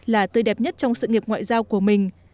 là tươi đẹp nhất trong sự nghiệp ngoại giao của mình